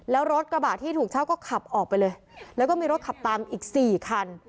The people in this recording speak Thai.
แล้วรถกระบะที่ถูกเช่าก็ขับออกไปเลยแล้วก็มีรถขับตามอีกสี่คัน